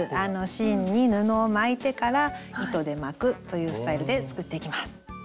芯に布を巻いてから糸で巻くというスタイルで作っていきます。